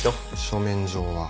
書面上は。